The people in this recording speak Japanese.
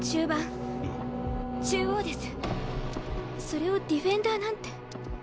それをディフェンダーなんて。